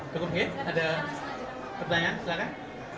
cukup mungkin ada pertanyaan silahkan